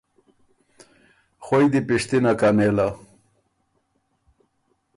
خؤئ دی پِشتِنه کۀ نېله۔